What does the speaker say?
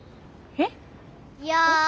えっ